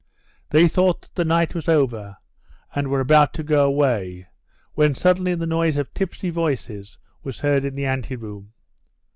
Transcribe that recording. They thought that the night was over, and were about to go away, when suddenly the noise of tipsy voices was heard in the ante room.